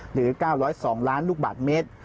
หรือ๙๐๒ล้านลูกบาทเมตร